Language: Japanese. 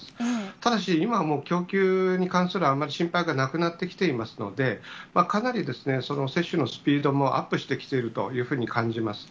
ただし今はもう、供給に関するあんまり心配がなくなってきていますので、かなり接種のスピードもアップしてきているというふうに感じます。